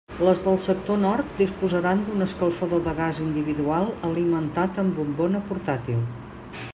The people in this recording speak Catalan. Les del sector nord disposaran d'un escalfador de gas individual alimentat amb bombona portàtil.